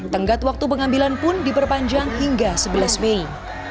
tenggat waktu pengambilan pun diperpanjang hingga sebelas mei